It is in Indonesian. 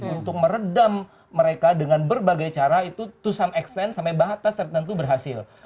untuk meredam mereka dengan berbagai cara itu to some extent sampai batas tertentu berhasil